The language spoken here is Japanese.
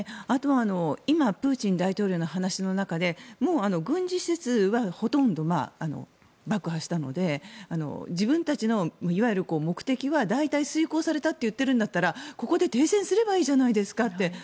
あとは今、プーチン大統領の話の中でもう軍事施設はほとんど爆破したので自分たちのいわゆる目的は大体遂行されたと言っているんだったらここで停戦すればいいじゃないですかって